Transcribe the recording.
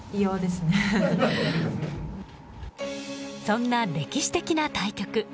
そんな歴史的な対局。